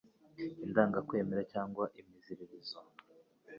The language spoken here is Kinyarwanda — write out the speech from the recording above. indangakwemera cyangwa se imiziririzo,